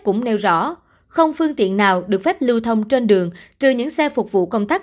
cũng nêu rõ không phương tiện nào được phép lưu thông trên đường trừ những xe phục vụ công tác